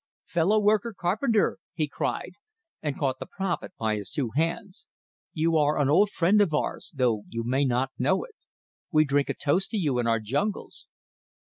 "Fellow worker Carpenter!" he cried; and caught the prophet by his two hands. "You are an old friend of ours, though you may not know it! We drink a toast to you in our jungles."